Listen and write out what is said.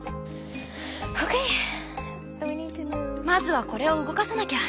まずはこれを動かさなきゃ。